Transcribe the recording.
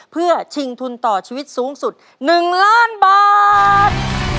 เพื่อชิงทุนต่อชีวิตสูงสุด๑ล้านบาท